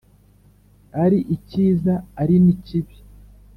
ari icyiza ari n ikibi